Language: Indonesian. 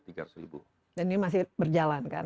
dan ini masih berjalan kan